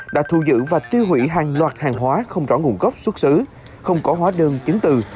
đã thu giữ và tiêu hủy hàng loạt hàng hóa không rõ nguồn gốc xuất xứ không có hóa đơn chứng từ